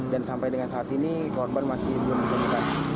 dan sampai dengan saat ini korban masih belum diketahui